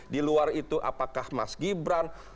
di luar itu apakah mas gibran